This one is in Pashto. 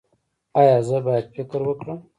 ایا زه باید فکر وکړم؟